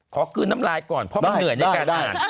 ขอคืนน้ำลายก่อนเพราะมันเหนื่อยในการอ่าน